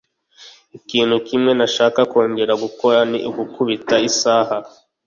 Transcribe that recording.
Ikintu kimwe ntashaka kongera gukora ni ugukubita isaha.